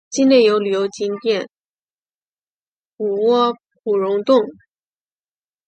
境内有旅游景点谷窝普熔洞。